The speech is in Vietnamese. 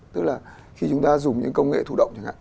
tức là khi chúng ta dùng những công nghệ thụ động chẳng hạn